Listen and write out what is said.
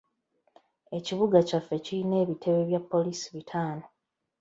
Ekibuga kyaffe kiyina ebitebe bya poliisi bitaano.